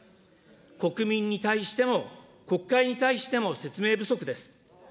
国民に対しても国会に対しても説明不足です。